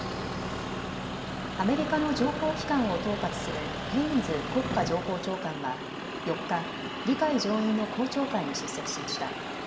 アメリカの情報機関を統括するヘインズ国家情報長官は４日、議会上院の公聴会に出席しました。